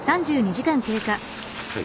はい。